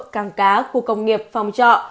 căng cá khu công nghiệp phòng trọ